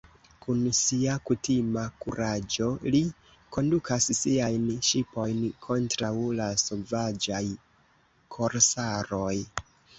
Kun sia kutima kuraĝo li kondukas siajn ŝipojn kontraŭ la sovaĝaj korsaroj.